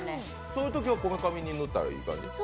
そういうときはこめかみに塗ったらいい？